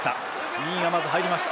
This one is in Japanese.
右がまず入りました。